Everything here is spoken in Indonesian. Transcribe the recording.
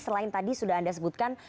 selain tadi sudah anda sebutkan